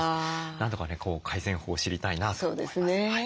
なんとかね改善法を知りたいなと思います。